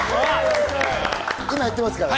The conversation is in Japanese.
今、やっていますからね。